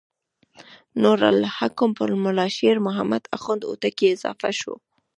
نور الحکم پر ملا شیر محمد اخوند هوتکی اضافه شو.